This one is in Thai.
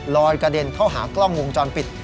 กระเด็นเข้าหากล้องวงจรปิด